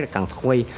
cần phát huy